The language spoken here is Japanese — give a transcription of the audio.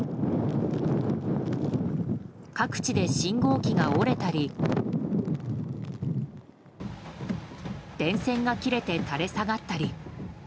各地で信号機が折れたり電線が切れて垂れ下がったり。